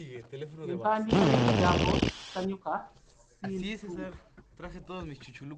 Empandiika y'ekigambo ‘ssanyuuka’ ssi ntuufu.